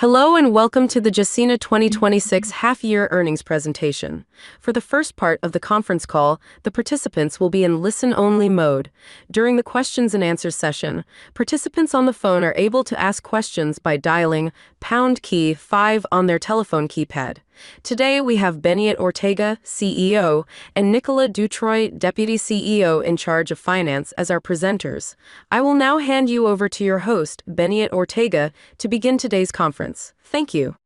Hello, welcome to the Gecina 2026 half-year earnings presentation. For the first part of the conference call, the participants will be in listen-only mode. During the questions and answers session, participants on the phone are able to ask questions by dialing key five on their telephone keypad. Today, we have Beñat Ortega, Chief Executive Officer and Nicolas Dutreuil, Deputy Chief Executive Officer in charge of Finance, as our presenters. I will now hand you over to your host, Beñat Ortega, to begin today's conference. Thank you.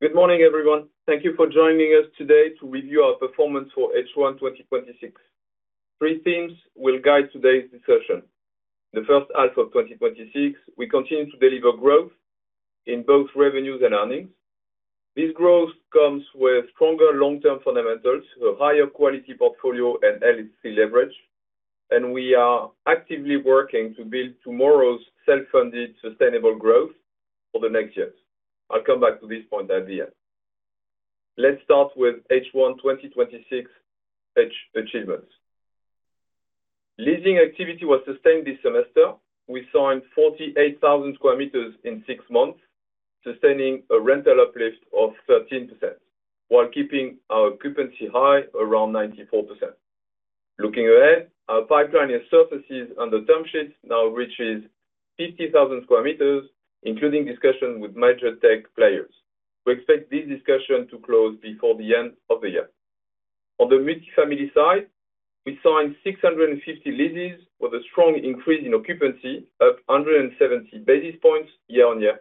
Good morning, everyone. Thank you for joining us today to review our performance for H1 2026. Three themes will guide today's discussion. The first half of 2026, we continue to deliver growth in both revenues and earnings. This growth comes with stronger long-term fundamentals, a higher quality portfolio, and healthy leverage. We are actively working to build tomorrow's self-funded, sustainable growth for the next years. I'll come back to this point at the end. Let's start with H1 2026 achievements. Leasing activity was sustained this semester. We signed 48,000 square meters in six months, sustaining a rental uplift of 13%, while keeping our occupancy high around 94%. Looking ahead, our pipeline of surfaces under term sheets now reaches 50,000 square meters, including discussions with major tech players. We expect this discussion to close before the end of the year. On the multifamily side, we signed 650 leases with a strong increase in occupancy, up 170 basis points year-on-year.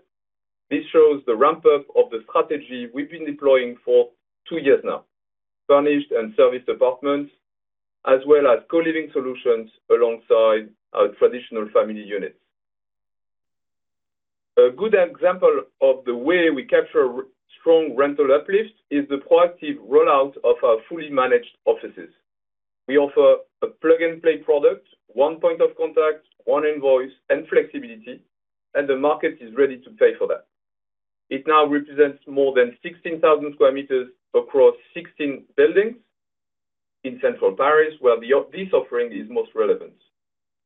This shows the ramp-up of the strategy we've been deploying for two years now. Furnished and serviced apartments, as well as co-living solutions alongside our traditional family units. A good example of the way we capture strong rental uplift is the proactive rollout of our fully managed offices. We offer a plug-and-play product, one point of contact, one invoice, and flexibility. The market is ready to pay for that. It now represents more than 16,000 square meters across 16 buildings in central Paris, where this offering is most relevant.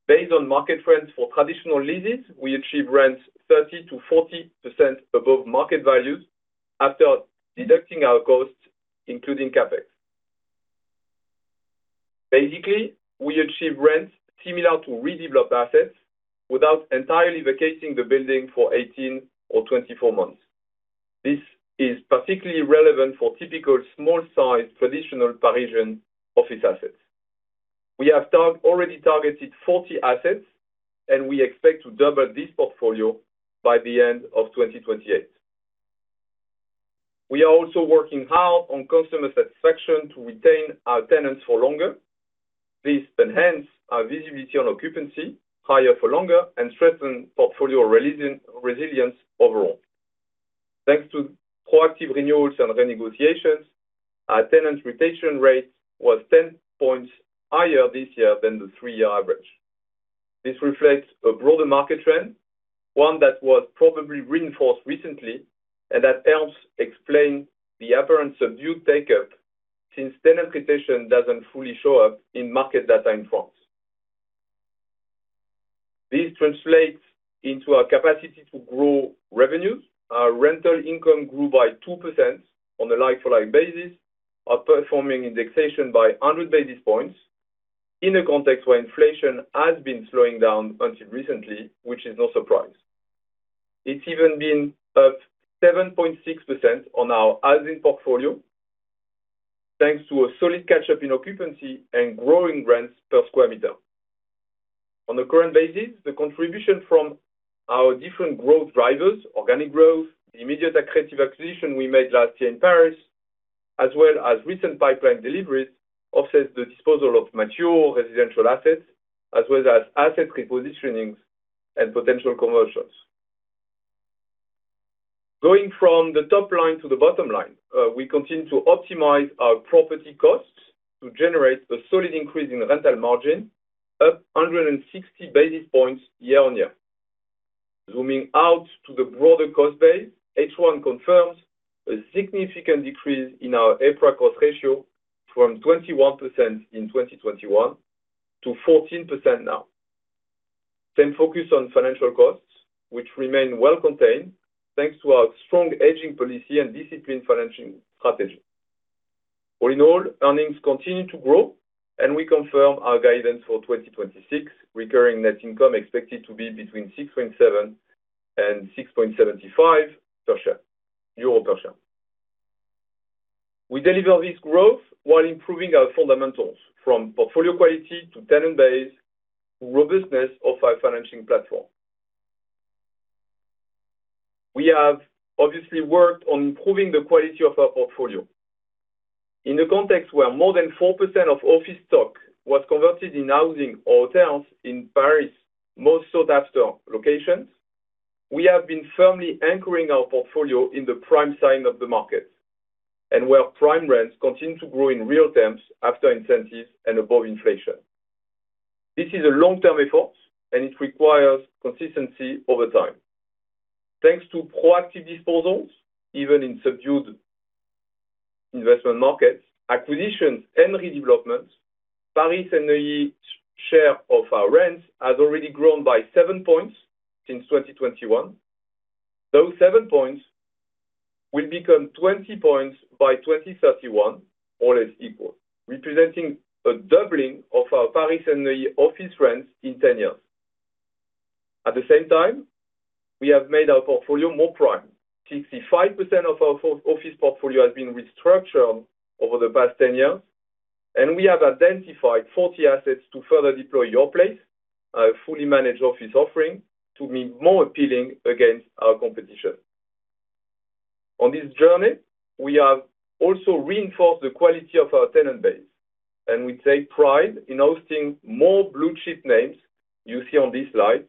Based on market trends for traditional leases, we achieve rents 30%-40% above market values after deducting our costs, including CapEx. Basically, we achieve rents similar to redeveloped assets without entirely vacating the building for 18 months or 24 months. This is particularly relevant for typical small-sized traditional Parisian office assets. We have already targeted 40 assets. We expect to double this portfolio by the end of 2028. We are also working hard on customer satisfaction to retain our tenants for longer. This enhances our visibility on occupancy higher for longer and strengthens portfolio resilience overall. Thanks to proactive renewals and renegotiations, our tenant retention rate was 10 points higher this year than the three-year average. This reflects a broader market trend, one that was probably reinforced recently. That helps explain the apparent subdued take-up since tenant retention doesn't fully show up in market data in France. This translates into our capacity to grow revenues. Our rental income grew by 2% on a like-for-like basis, outperforming indexation by 100 basis points in a context where inflation has been slowing down until recently, which is no surprise. It's even been up 7.6% on our as-in portfolio, thanks to a solid catch-up in occupancy and growing rents per square meter. On a current basis, the contribution from our different growth drivers, organic growth, the immediate accretive acquisition we made last year in Paris, as well as recent pipeline deliveries, offsets the disposal of mature residential assets, as well as asset repositionings and potential conversions. Going from the top line to the bottom line, we continue to optimize our property costs to generate a solid increase in the rental margin, up 160 basis points year-on-year. Zooming out to the broader cost base, H1 confirms a significant decrease in our EPRA cost ratio from 21% in 2021 to 14% now. Same focus on financial costs, which remain well contained thanks to our strong aging policy and disciplined financial strategy. All in all, earnings continue to grow, and we confirm our guidance for 2026, recurring net income expected to be between 6.7-6.75 per share. We deliver this growth while improving our fundamentals from portfolio quality to tenant base robustness of our financing platform. We have obviously worked on improving the quality of our portfolio. In a context where more than 4% of office stock was converted into housing or hotels in Paris' most sought-after locations, we have been firmly anchoring our portfolio in the prime sign of the market and where prime rents continue to grow in real terms after incentives and above inflation. This is a long-term effort, it requires consistency over time. Thanks to proactive disposals, even in subdued Investment markets, acquisitions and redevelopments, Paris and the share of our rents has already grown by seven points since 2021. Those seven points will become 20 points by 2031, all else equal, representing a doubling of our Paris and the office rents in 10 years. At the same time, we have made our portfolio more prime. 65% of our office portfolio has been restructured over the past 10 years, and we have identified 40 assets to further deploy Yourplace, our fully managed office offering to be more appealing against our competition. On this journey, we have also reinforced the quality of our tenant base, we take pride in hosting more blue-chip names you see on this slide,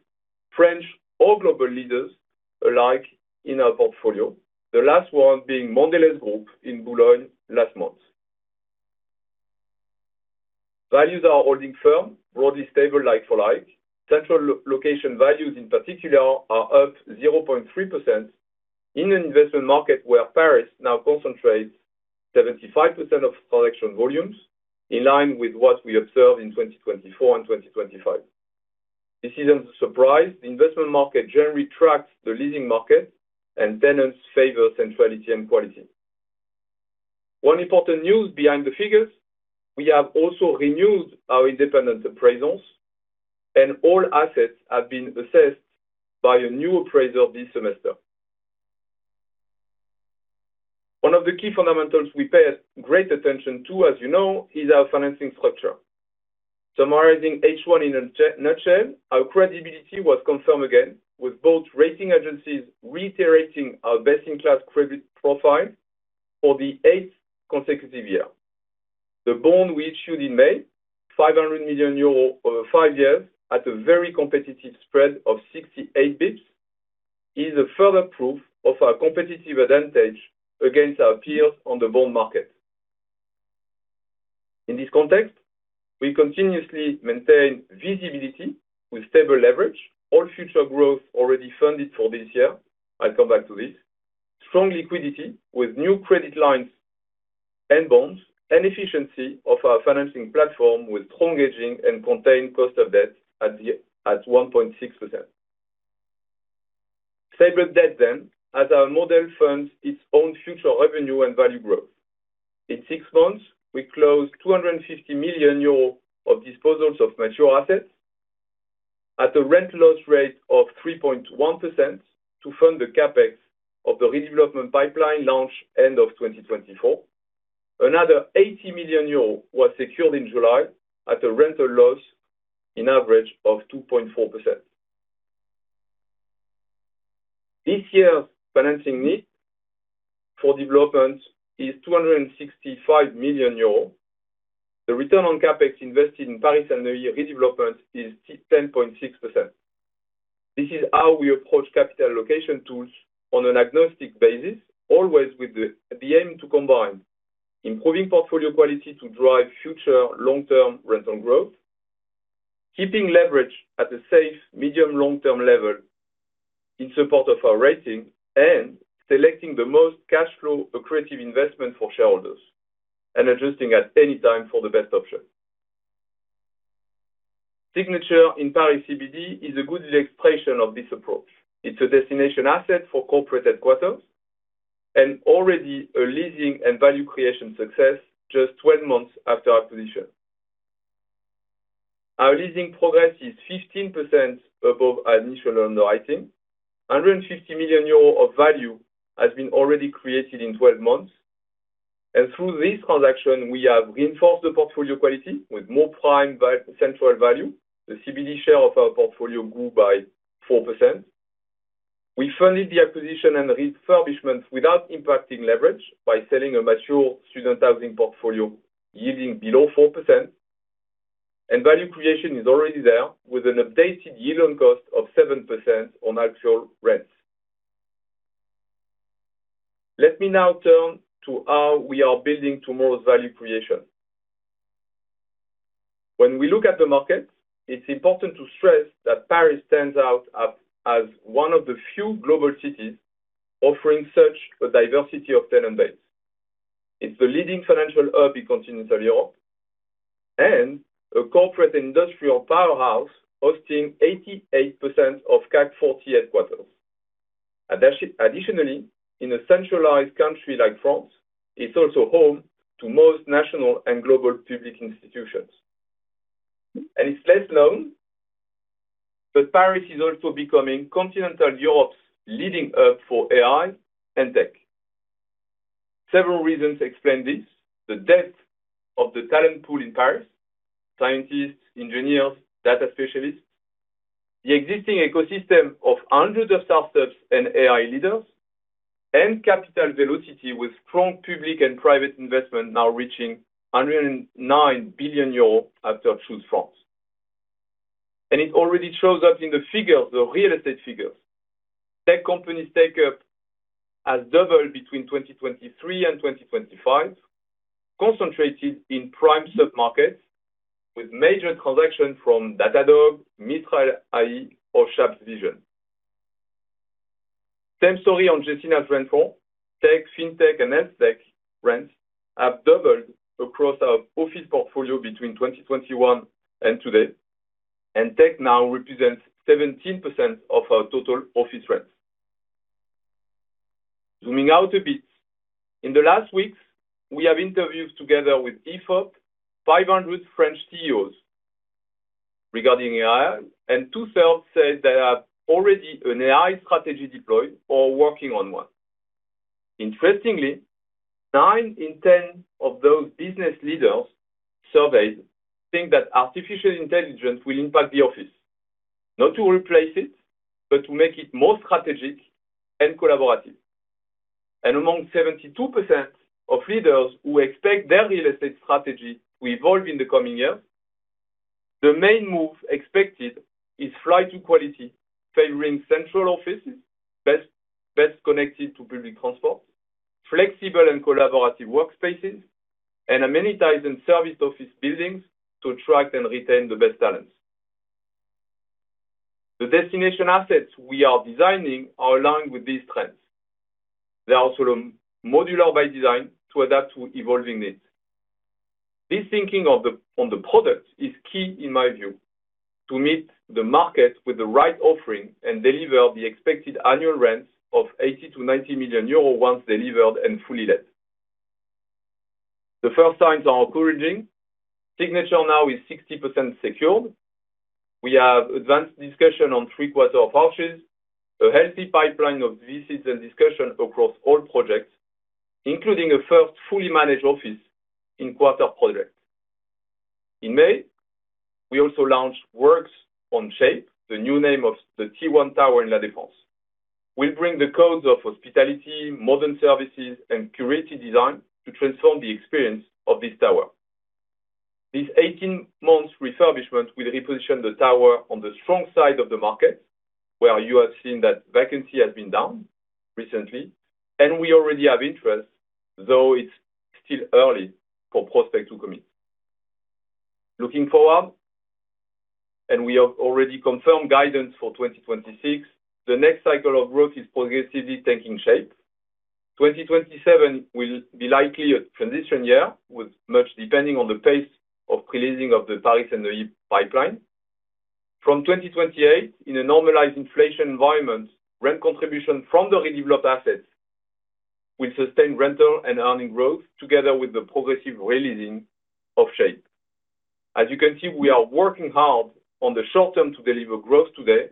French or global leaders alike in our portfolio, the last one being Mondelēz Group in Boulogne last month. Values are holding firm, broadly stable, like for like. Central location values, in particular, are up 0.3% in an investment market where Paris now concentrates 75% of transaction volumes in line with what we observe in 2024 and 2025. This isn't a surprise. The investment market generally tracks the leasing market, tenants favor centrality and quality. One important news behind the figures, we have also renewed our independent appraisals, all assets have been assessed by a new appraiser this semester. One of the key fundamentals we pay great attention to, as you know, is our financing structure. Summarizing H1 in a nutshell, our credibility was confirmed again, with both rating agencies reiterating our best-in-class credit profile for the eighth consecutive year. The bond we issued in May, 500 million euro over five years at a very competitive spread of 68 basis points, is a further proof of our competitive advantage against our peers on the bond market. In this context, we continuously maintain visibility with stable leverage. All future growth already funded for this year. I'll come back to this. Strong liquidity with new credit lines and bonds, Efficiency of our financing platform with strong hedging and contained cost of debt at 1.6%. Stable debt as our model funds its own future revenue and value growth. In six months, we closed 250 million euros of disposals of mature assets at a rent loss rate of 3.1% to fund the CapEx of the redevelopment pipeline launch end of 2024. Another 80 million euros was secured in July at a rental loss in average of 2.4%. This year's financing need for developments is 265 million euros. The return on CapEx invested in Paris and the redevelopment is 10.6%. This is how we approach capital allocation tools on an agnostic basis, always with the aim to combine improving portfolio quality to drive future long-term rental growth, keeping leverage at a safe medium long-term level in support of our rating, Selecting the most cash flow accretive investment for shareholders, and Adjusting at any time for the best option. Signature in Paris CBD is a good expression of this approach. It's a destination asset for corporate headquarters and already a leasing and value creation success just 12 months after acquisition. Our leasing progress is 15% above our initial underwriting. 150 million euros of value has been already created in 12 months. Through this transaction, we have reinforced the portfolio quality with more prime central value. The CBD share of our portfolio grew by 4%. We funded the acquisition and refurbishment without impacting leverage by selling a mature student housing portfolio yielding below 4%. Value creation is already there, with an updated yield on cost of 7% on actual rents. Let me now turn to how we are building tomorrow's value creation. We look at the markets, it's important to stress that Paris stands out as one of the few global cities offering such a diversity of tenant base. It's the leading financial hub in continental Europe and a corporate industrial powerhouse hosting 88% of CAC40 headquarters. Additionally, in a centralized country like France, it's also home to most national and global public institutions. It's less known, Paris is also becoming continental Europe's leading hub for AI and tech. Several reasons explain this. The depth of the talent pool in Paris, scientists, engineers, data specialists, the existing ecosystem of hundreds of startups and AI leaders and capital velocity with strong public and private investment now reaching 109 billion euros after Choose France. It already shows up in the figures, the real estate figures. Tech companies take-up has doubled between 2023-2025, concentrated in prime sub-markets with major collection from Datadog, Mistral AI, or ChapsVision. Same story on Gecina Trend Four. Tech, Fintech and Healthtech rents have doubled across our office portfolio between 2021 and today. Tech now represents 17% of our total office rents. Zooming out a bit. In the last weeks, we have interviewed together with Ifop, 500 French CEOs regarding AI. 2/3 said they have already an AI strategy deployed or working on one. Interestingly, nine in 10 of those business leaders surveyed think that artificial intelligence will impact the office, not to replace it, but to make it more strategic and collaborative. Among 72% of leaders who expect their real estate strategy to evolve in the coming years, the main move expected is flight to quality, favoring central offices best connected to public transport, flexible and collaborative workspaces, amenitized and serviced office buildings to attract and retain the best talents. The destination assets we are designing are aligned with these trends. They are also modular by design to adapt to evolving needs. This thinking on the product is key, in my view, to meet the market with the right offering and deliver the expected annual rents of 80 million-90 million euro once delivered and fully let. The first signs are encouraging. Signature now is 60% secured. We have advanced discussion on three quarter of Arches, a healthy pipeline of visits and discussions across all projects, including a first fully managed office in Yourplace project. In May, we also launched Works on Shape, the new name of the T1 Tower in La Défense. We bring the codes of hospitality, modern services and curated design to transform the experience of this tower. This 18 months refurbishment will reposition the tower on the strong side of the market, where you have seen that vacancy has been down recently. We already have interest, though it's still early for prospects to commit. Looking forward, we have already confirmed guidance for 2026. The next cycle of growth is progressively taking Shape. 2027 will be likely a transition year, with much depending on the pace of pre-leasing of the Paris and the yield pipeline. From 2028, in a normalized inflation environment, rent contribution from the redeveloped assets will sustain rental and earning growth together with the progressive re-leasing of Shape. As you can see, we are working hard on the short term to deliver growth today,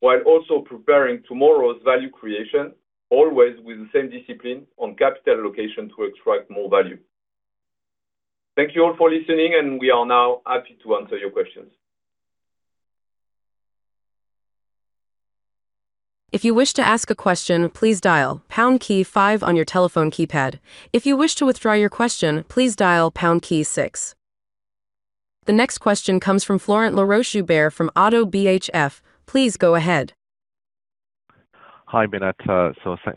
while also preparing tomorrow's value creation, always with the same discipline on capital allocation to extract more value. Thank you all for listening. We are now happy to answer your questions. If you wish to ask a question, please dial hash five on your telephone keypad. If you wish to withdraw your question, please dial hash six. The next question comes from Florent Laroche-Joubert from ODDO BHF. Please go ahead. Hi, Beñat.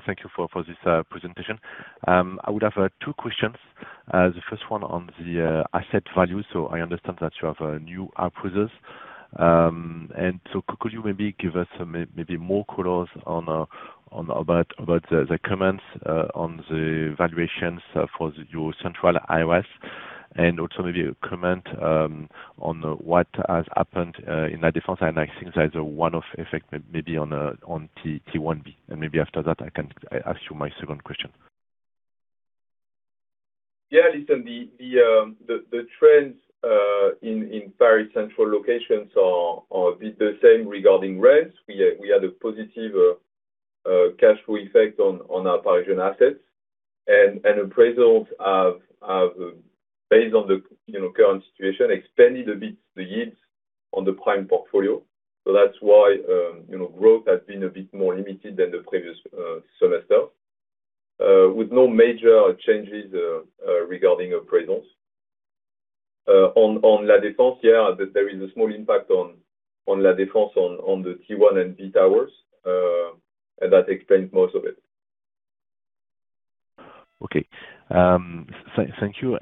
Thank you for this presentation. I would have two questions. The first one on the asset value. I understand that you have a new app with us. Could you maybe give us maybe more colors about the comments on the valuations for your central assets and also maybe a comment on what has happened in La Défense? I think there's a one-off effect maybe on T1B. Maybe after that, I can ask you my second question. Yeah. Listen, the trends in Paris central locations are a bit the same regarding rents. We had a positive cash flow effect on our Parisian assets and appraisals have, based on the current situation, expanded a bit the yields on the prime portfolio. That's why growth has been a bit more limited than the previous semester, with no major changes regarding appraisals. On La Défense, yeah, there is a small impact on La Défense on the T1 and B towers. That explains most of it. Okay. Thank you.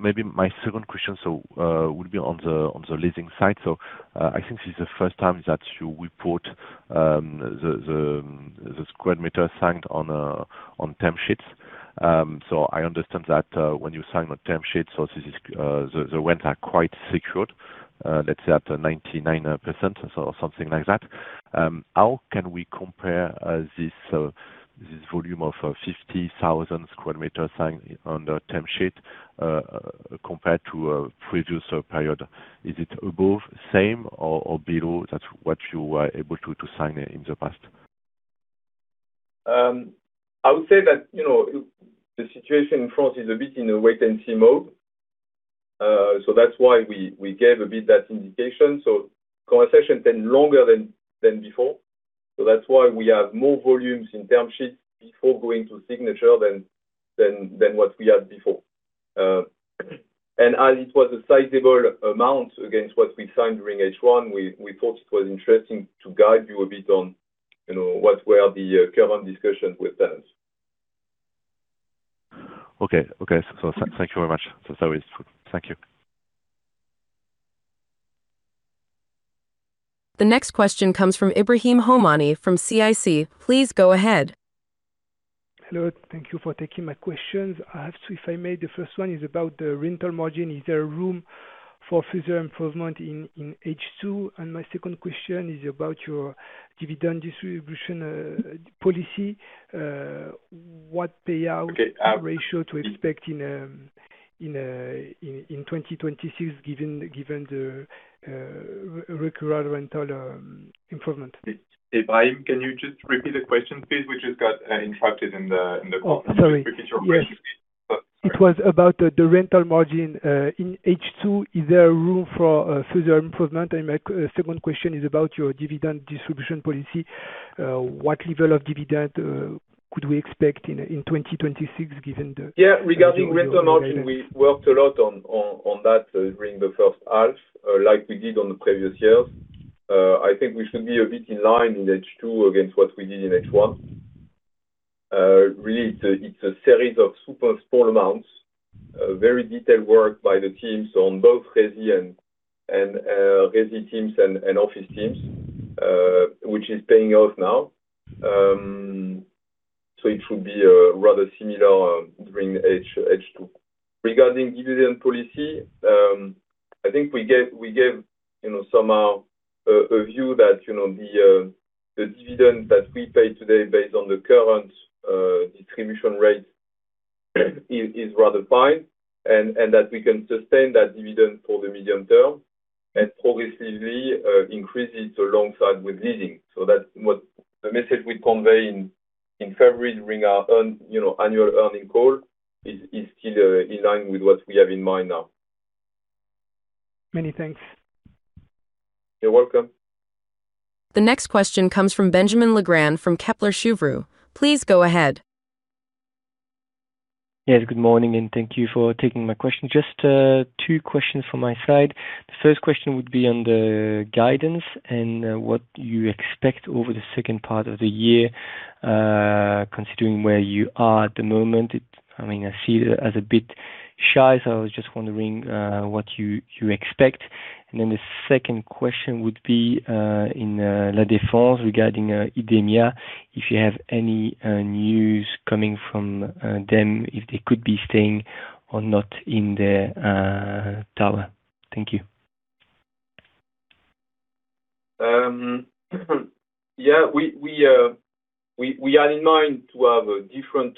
Maybe my second question would be on the leasing side. I think this is the first time that you report the square meter signed on term sheets. I understand that when you sign on term sheets, the rents are quite secured, let's say at 99% or something like that. How can we compare this volume of 50,000 square meters signed under term sheet compared to a previous period? Is it above, same or below that what you were able to sign in the past? I would say that the situation in France is a bit in a wait-and-see mode. That's why we gave a bit that indication. Conversations take longer than before. That's why we have more volumes in term sheets before going to Signature than what we had before. As it was a sizable amount against what we signed during H1, we thought it was interesting to guide you a bit on what were the current discussions with tenants. Okay. Thank you very much. That's always good. Thank you. The next question comes from Ebrahim Homani from CIC. Please go ahead. Hello. Thank you for taking my questions. I have two, if I may. The first one is about the rental margin. Is there room for further improvement in H2? My second question is about your dividend distribution policy. What payout- Okay. Ratio to expect in 2026 given the recurrent rental improvement? Ebrahim, can you just repeat the question, please? We just got interrupted in the call. Oh, sorry. Can you just repeat your question, please? Yes. Sorry. It was about the rental margin. In H2, is there room for further improvement? My second question is about your dividend distribution policy. What level of dividend could we expect in 2026 given the? Regarding rental margin, we worked a lot on that during the first half, like we did on the previous years. I think we should be a bit in line in H2 against what we did in H1. Really, it's a series of super small amounts, very detailed work by the teams on both resi teams and office teams, which is paying off now. It should be rather similar during H2. Regarding dividend policy, I think we gave somehow a view that the dividend that we pay today based on the current distribution rate is rather fine, and that we can sustain that dividend for the medium term and progressively increase it alongside with leasing. That's what the message we convey in February during our annual earning call is still in line with what we have in mind now. Many thanks. You're welcome. The next question comes from Benjamin Legrand from Kepler Cheuvreux. Please go ahead. Yes. Good morning. Thank you for taking my question. Just two questions from my side. The first question would be on the guidance and what you expect over the second part of the year, considering where you are at the moment. I see it as a bit shy, I was just wondering what you expect. The second question would be in La Défense regarding Idemia, if you have any news coming from them, if they could be staying or not in the tower. Thank you. Yeah. We had in mind to have a different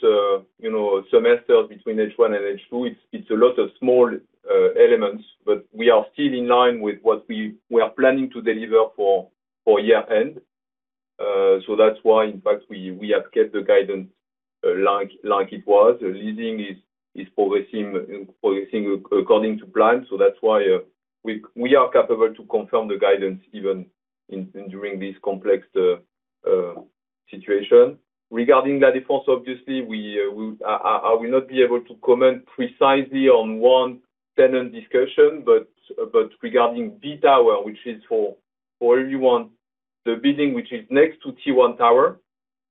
semester between H1 and H2. It's a lot of small elements, we are still in line with what we are planning to deliver for year-end. That's why, in fact, we have kept the guidance like it was. Leasing is progressing according to plan, that's why we are capable to confirm the guidance even during this complex situation. Regarding La Défense, obviously, I will not be able to comment precisely on one tenant discussion, regarding B Tower, which is for everyone, the building which is next to T1 Tower,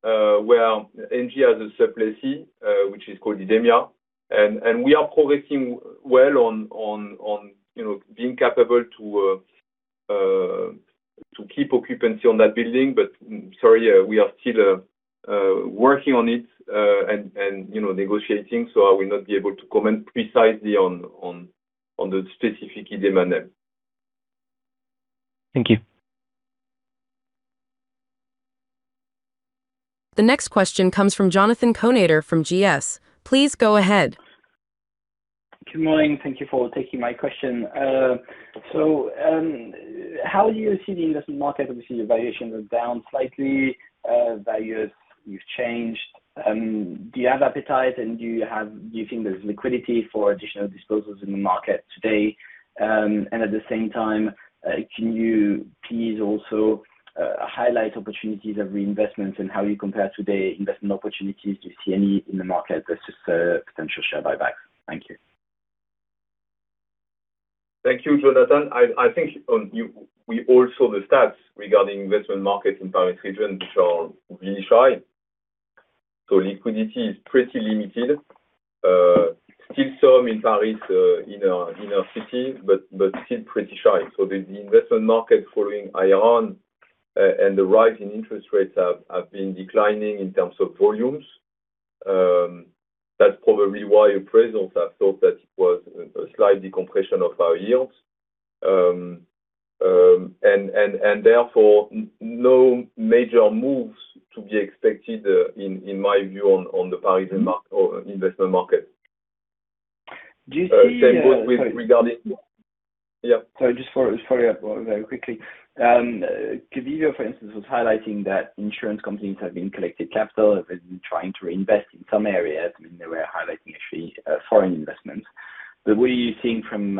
where Engie has a sub-lessee, which is called Idemia. We are progressing well on being capable to keep occupancy on that building. Sorry, we are still working on it and negotiating, I will not be able to comment precisely on the specific Idemia name. Thank you. The next question comes from Jonathan Kownator from GS. Please go ahead. Good morning. Thank you for taking my question. How do you see the investment market? Obviously, your valuation went down slightly. Values you've changed. Do you have appetite and do you think there's liquidity for additional disposals in the market today? At the same time, can you please also highlight opportunities of reinvestments and how you compare today investment opportunities? Do you see any in the market versus potential share buybacks? Thank you. Thank you, Jonathan. I think we all saw the stats regarding investment markets in Paris region, which are really shy. Liquidity is pretty limited. Still some in Paris inner city, but still pretty shy. The investment market following [inflation] and the rise in interest rates have been declining in terms of volumes. That's probably why appraisals have thought that it was a slight decompression of our yields. Therefore, no major moves to be expected, in my view, on the Paris investment market. Do you see- Same goes with. Sorry, just follow up very quickly. For instance, was highlighting that insurance companies have been collecting capital. They've been trying to reinvest in some areas. I mean, they were highlighting actually foreign investments. What are you seeing from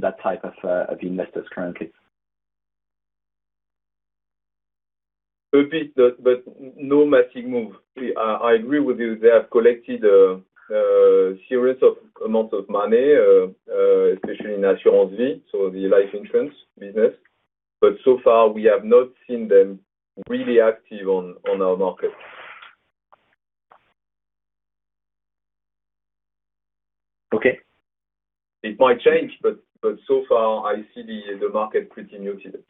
that type of investors currently? A bit, but no massive move. I agree with you. They have collected a series of amounts of money, especially in Assurance vie, so the life insurance business. So far, we have not seen them really active on our market. Okay. It might change, but so far I see the market pretty muted.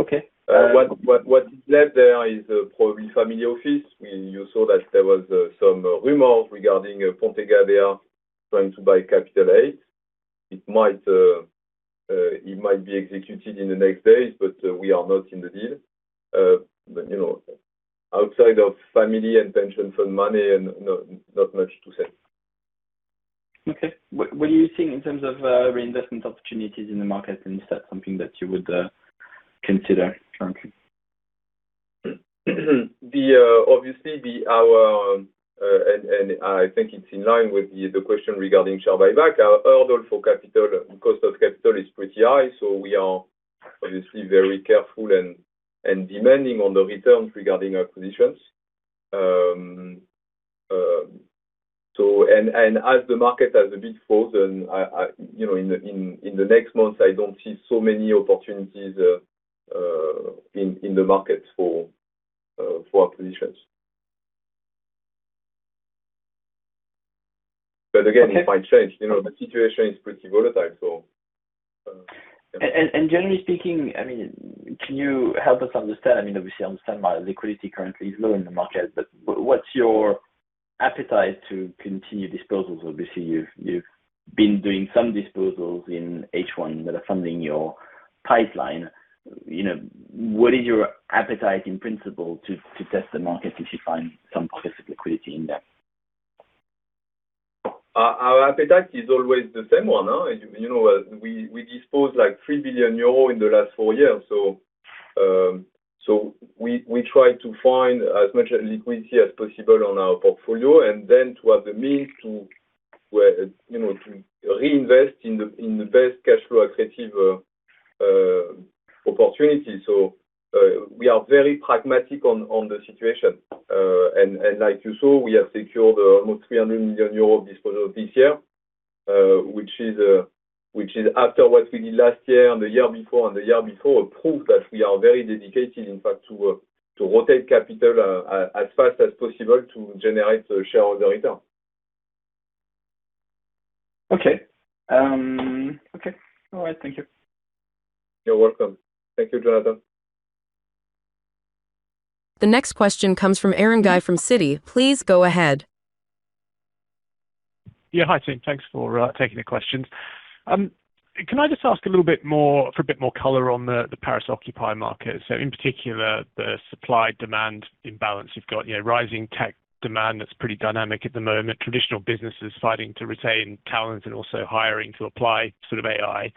Okay. What is left there is probably family office. You saw that there was some rumors regarding Pontegadea trying to buy Capital 8. It might be executed in the next days, but we are not in the deal. Outside of family and pension fund money, not much to say. Okay. What are you seeing in terms of reinvestment opportunities in the market? Is that something that you would consider currently? Obviously, I think it's in line with the question regarding share buyback, our hurdle for capital, cost of capital is pretty high. We are obviously very careful and demanding on the returns regarding our positions. As the market has a bit frozen, in the next months, I don't see so many opportunities in the market for our positions. Okay It might change. The situation is pretty volatile. Generally speaking, can you help us understand? Obviously, I understand why liquidity currently is low in the market, but what's your appetite to continue disposals? Obviously, you've been doing some disposals in H1 that are funding your pipeline. What is your appetite in principle to test the market if you find some pockets of liquidity in there? Our appetite is always the same one. We disposed like 3 billion euros in the last four years. We try to find as much liquidity as possible on our portfolio, and then to have the means to reinvest in the best cash flow accretive opportunity. We are very pragmatic on the situation. Like you saw, we have secured almost 300 million euros disposal this year, which is after what we did last year and the year before and the year before, a proof that we are very dedicated, in fact, to rotate capital as fast as possible to generate shareholder return. Okay. All right. Thank you. You're welcome. Thank you, Jonathan. The next question comes from Aaron Guy from Citi. Please go ahead. Yeah. Hi, team. Thanks for taking the questions. Can I just ask a little bit more for a bit more color on the Paris occupy market? In particular, the supply-demand imbalance. You've got rising tech demand that's pretty dynamic at the moment, traditional businesses fighting to retain talent and also hiring to apply sort of AI.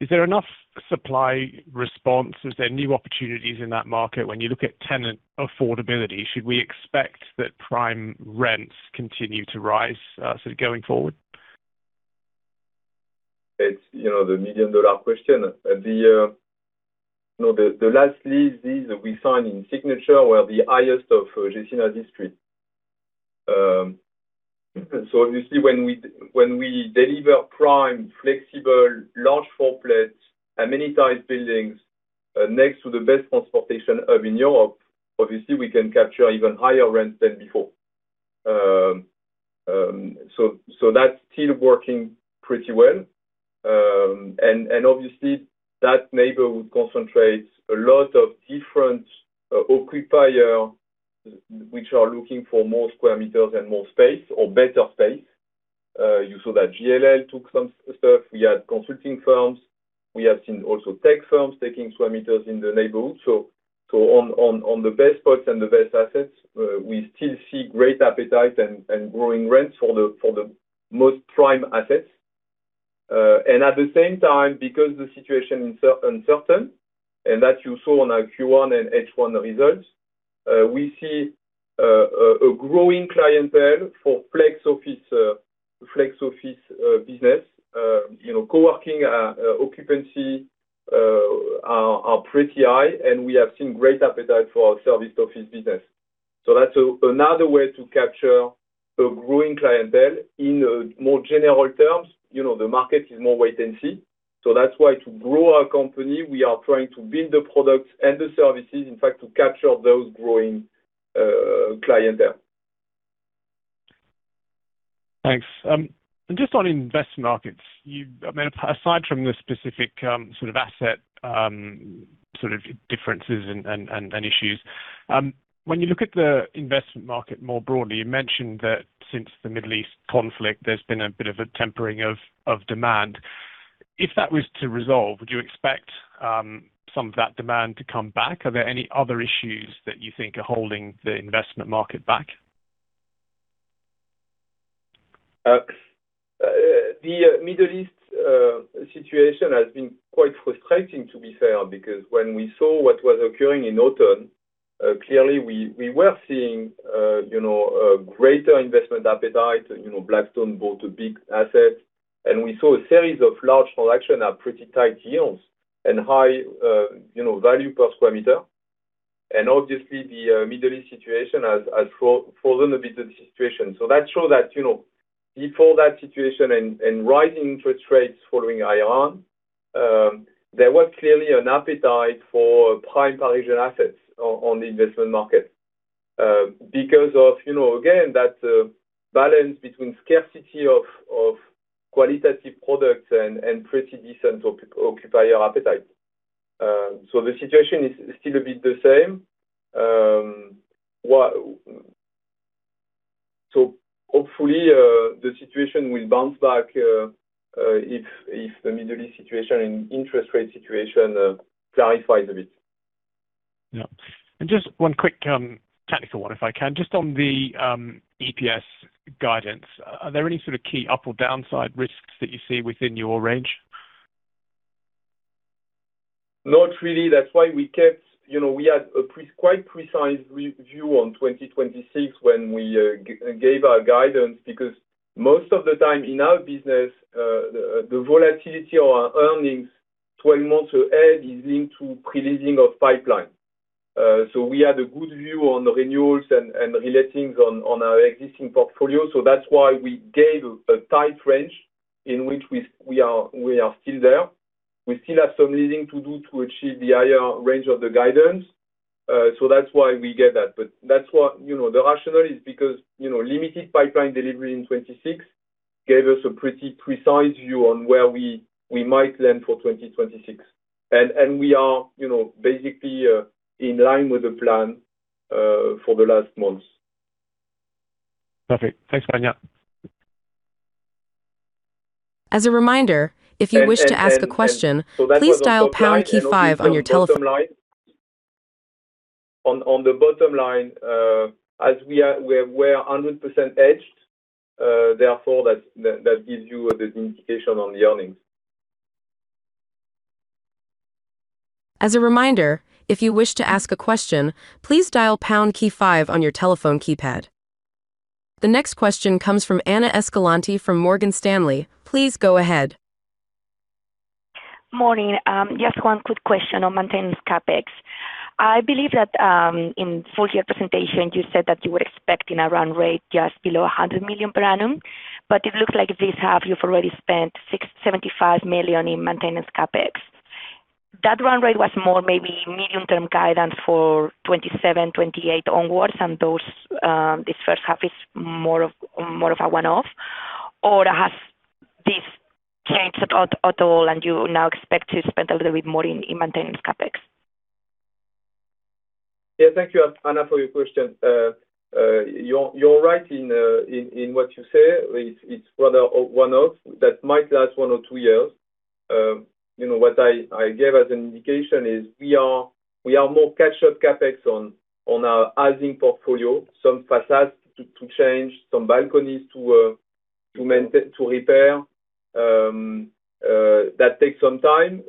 Is there enough supply response? Is there new opportunities in that market when you look at tenant affordability? Should we expect that prime rents continue to rise sort of going forward? It's the million-dollar question. The last leases we signed in Signature were the highest of Gecina district. Obviously when we deliver prime, flexible, large floor plates, amenitized buildings, next to the best transportation hub in Europe, obviously we can capture even higher rents than before. That's still working pretty well. Obviously that neighborhood concentrates a lot of different occupier which are looking for more square meters and more space or better space. You saw that GLL took some stuff. We had consulting firms. We have seen also tech firms taking square meters in the neighborhood. On the best spots and the best assets, we still see great appetite and growing rents for the most prime assets. At the same time, because the situation is uncertain, and that you saw on our Q1 and H1 results, we see a growing clientele for flex office business. Coworking occupancy are pretty high, and we have seen great appetite for our serviced office business. That's another way to capture a growing clientele in more general terms. The market is more wait and see. That's why to grow our company, we are trying to build the products and the services, in fact, to capture those growing clientele. Thanks. Just on investment markets, aside from the specific sort of asset differences and issues, when you look at the investment market more broadly, you mentioned that since the Middle East conflict, there's been a bit of a tempering of demand. If that was to resolve, would you expect some of that demand to come back? Are there any other issues that you think are holding the investment market back? The Middle East situation has been quite frustrating to be fair, because when we saw what was occurring in autumn, clearly we were seeing a greater investment appetite. Blackstone bought a big asset, and we saw a series of large transaction at pretty tight yields and high value per square meter. Obviously the Middle East situation has frozen a bit the situation. That shows that before that situation and rising interest rates following higher. There was clearly an appetite for prime Parisian assets on the investment market. Because of, again, that balance between scarcity of qualitative products and pretty decent occupier appetite. The situation is still a bit the same. Hopefully, the situation will bounce back if the Middle East situation and interest rate situation clarifies a bit. Yeah. Just one quick technical one, if I can. Just on the EPS guidance, are there any sort of key up or downside risks that you see within your range? Not really. That's why we had a quite precise view on 2026 when we gave our guidance, because most of the time in our business, the volatility of our earnings 12 months ahead is into pre-leasing of pipeline. We had a good view on renewals and reletings on our existing portfolio. That's why we gave a tight range in which we are still there. We still have some leasing to do to achieve the higher range of the guidance. That's why we get that. The rationale is because limited pipeline delivery in 2026 gave us a pretty precise view on where we might land for 2026. We are basically in line with the plan for the last month. Perfect. Thanks, Beñat. As a reminder, if you wish to ask a question, please dial pound key five on your telephone. That was on top line. On the bottom line, as we're 100% hedged, therefore that gives you the indication on the earnings. As a reminder, if you wish to ask a question, please dial pound key five on your telephone keypad. The next question comes from Ana Escalante from Morgan Stanley. Please go ahead. Morning. Just one quick question on maintenance CapEx. I believe that in full year presentation, you said that you were expecting a run rate just below 100 million per annum, but it looks like this half, you have already spent 75 million in maintenance CapEx. That run rate was more maybe medium-term guidance for 2027, 2028 onwards, and this first half is more of a one-off. Has this changed at all and you now expect to spend a little bit more in maintenance CapEx? Yeah, thank you, Ana, for your question. You are right in what you say. It is rather a one-off that might last one or two years. What I gave as an indication is we are more catch-up CapEx on our housing portfolio. Some façades to change, some balconies to repair. That takes some time,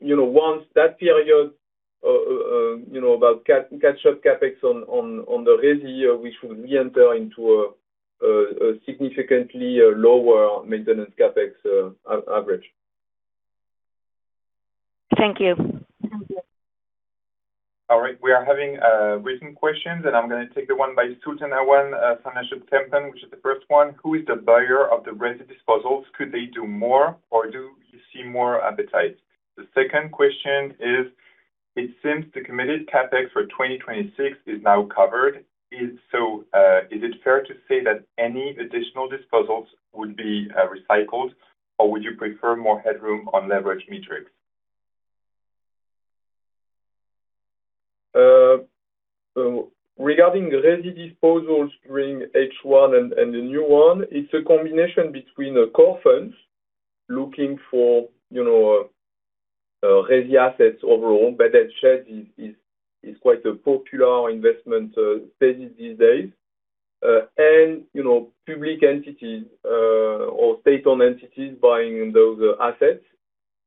once that period, about catch-up CapEx on the resi, we should re-enter into a significantly lower maintenance CapEx average. Thank you. All right. We are having written questions, I am going to take the one by Sutana One, Sana Ship Tempen, which is the first one. "Who is the buyer of the resi disposals? Could they do more, or do you see more appetite?" The second question is, "It seems the committed CapEx for 2026 is now covered. Is it fair to say that any additional disposals would be recycled, or would you prefer more headroom on leverage metrics?" Regarding resi disposals during H1 and the new one, it is a combination between the core funds looking for resi assets overall. Bed and shed is quite a popular investment strategy these days. Public entities or state-owned entities buying those assets.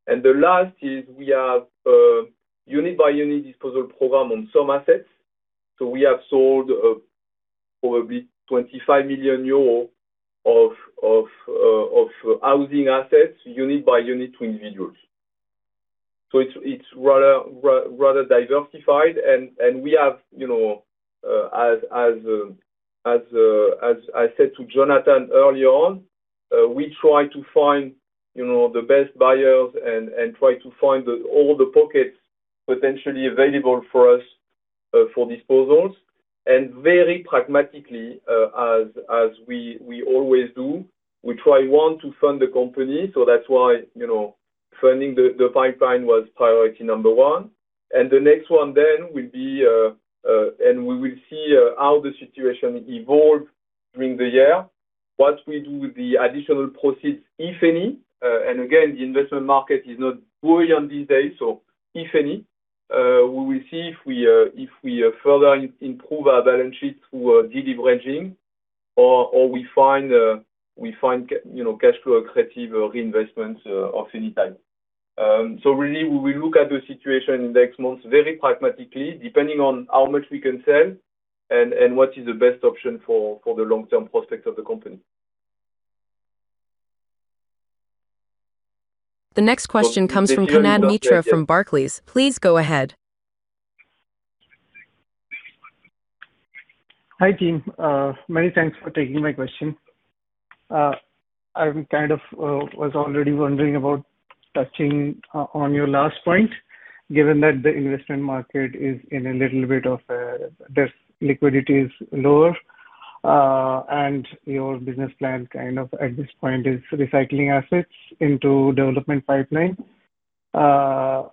The last is we have unit-by-unit disposal program on some assets. We have sold probably 25 million euros of housing assets unit by unit to individuals. It's rather diversified, and we have, as I said to Jonathan early on, we try to find the best buyers and try to find all the pockets potentially available for us for disposals. Very pragmatically, as we always do, we try, one, to fund the company. That's why funding the pipeline was priority number one. The next one then will be. We will see how the situation evolves during the year. What we do with the additional proceeds, if any. Again, the investment market is not buoyant these days, if any. We will see if we further improve our balance sheet through de-leveraging or we find cash flow accretive reinvestments of any type. Really, we will look at the situation in the next months very pragmatically, depending on how much we can sell and what is the best option for the long-term prospects of the company. The next question comes from Kanad Mitra from Barclays. Please go ahead. Hi, team. Many thanks for taking my question. I was already wondering about touching on your last point, given that liquidity is lower and your business plan at this point is recycling assets into development pipeline. How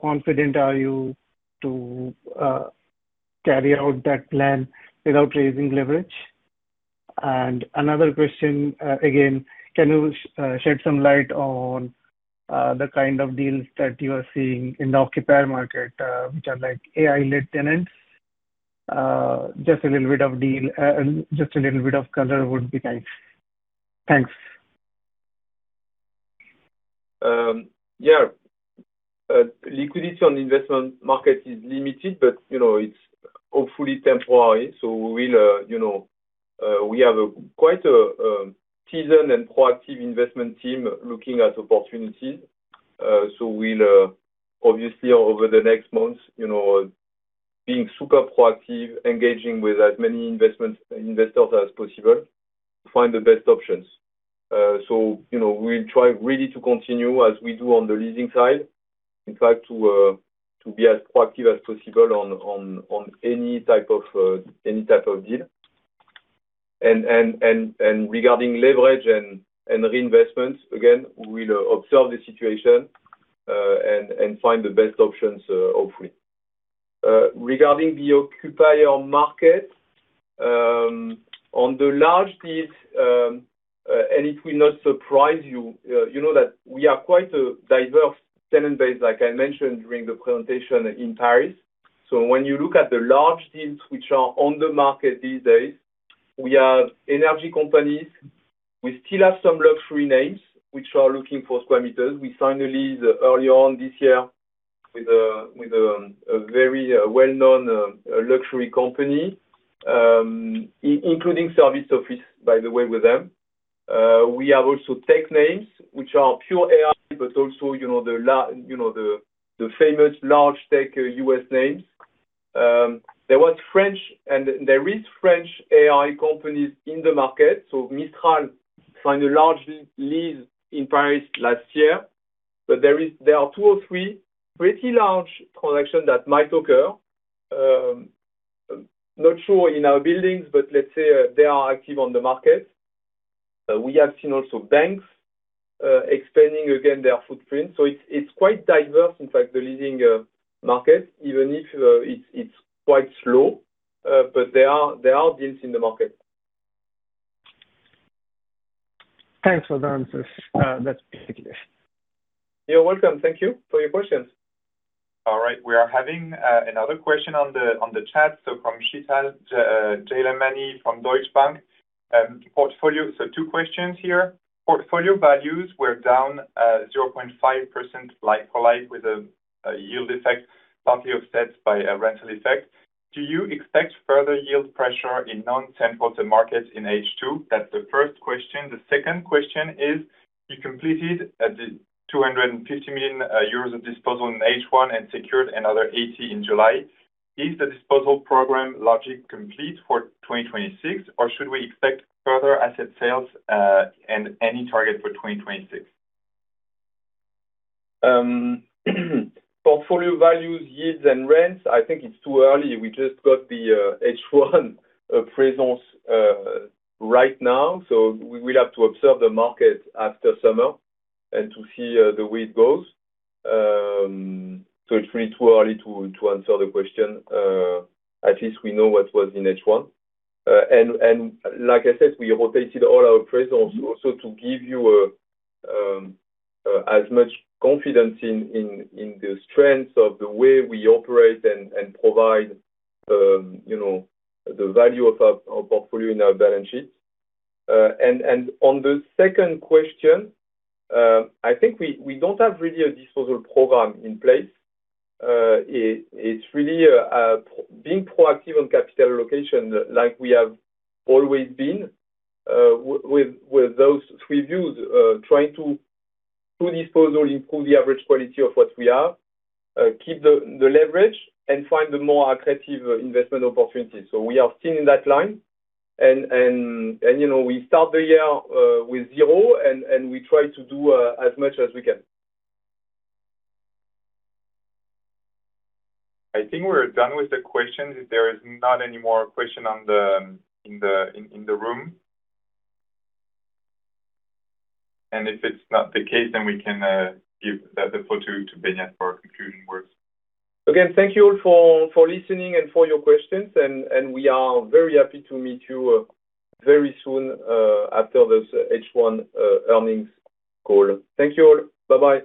confident are you to carry out that plan without raising leverage? Another question, again, can you shed some light on the kind of deals that you are seeing in the occupier market, which are AI-led tenants? Just a little bit of color would be nice. Thanks. Yeah. It's hopefully temporary. We have quite a seasoned and proactive investment team looking at opportunities. We'll, obviously, over the next months, being super proactive, engaging with as many investors as possible to find the best options. We'll try really to continue as we do on the leasing side. In fact, to be as proactive as possible on any type of deal. Regarding leverage and reinvestments, again, we'll observe the situation, and find the best options, hopefully. Regarding the occupier market, on the large deals, and it will not surprise you know that we are quite a diverse tenant base, like I mentioned during the presentation in Paris. When you look at the large deals which are on the market these days, we have energy companies. We still have some luxury names which are looking for square meters. We signed a lease early on this year with a very well-known luxury company, including service office, by the way, with them. We have also tech names which are pure AI, but also the famous large tech U.S. names. There is French AI companies in the market. Mistral signed a large lease in Paris last year. There are two or three pretty large transactions that might occur. Not sure in our buildings, but let's say they are active on the market. We have seen also banks expanding again their footprint. It's quite diverse, in fact, the leasing market, even if it's quite slow. There are deals in the market. Thanks for the answers. That's basically it. You're welcome. Thank you for your questions. All right. We are having another question on the chat. From Sheetal Jayamani from Deutsche Bank. Two questions here. "Portfolio values were down 0.5% like-for-like with a yield effect partly offset by a rental effect. Do you expect further yield pressure in non-central markets in H2?" That's the first question. The second question is: "You completed the 250 million euros of disposal in H1 and secured another 80 in July. Is the disposal program logic complete for 2026, or should we expect further asset sales, and any target for 2026? Portfolio values, yields, and rents, I think it's too early. We just got the H1 presence right now. We will have to observe the market after summer, and to see the way it goes. It's really too early to answer the question. At least we know what was in H1. Like I said, we rotated all our presence also to give you as much confidence in the strength of the way we operate and provide the value of our portfolio in our balance sheets. On the second question, I think we don't have really a disposal program in place. It's really being proactive on capital allocation like we have always been, with those three views, trying to do disposal, improve the average quality of what we have, keep the leverage, and find the more aggressive investment opportunities. We are still in that line. We start the year with zero, and we try to do as much as we can. I think we're done with the questions if there is not any more question in the room. If it's not the case, we can give the floor to Beñat for concluding words. Again, thank you all for listening and for your questions, and we are very happy to meet you very soon after this H1 earnings call. Thank you all. Bye-bye.